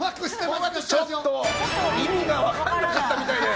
ちょっと意味が分からなかったみたいです。